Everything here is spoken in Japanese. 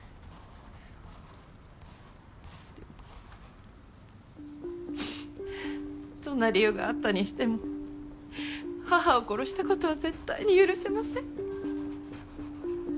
そうでもどんな理由があったにしても母を殺したことは絶対に許せません。